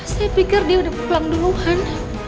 saya pikir dia udah pulang duluan